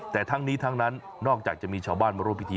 แต่ทั้งนี้ทั้งนั้นนอกจากจะมีชาวบ้านมาร่วมพิธี